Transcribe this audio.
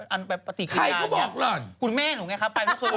อันปฏิกิจการเนี่ยคุณแม่หนูไงครับไปเมื่อคืน